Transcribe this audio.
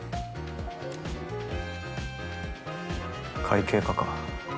会計課か。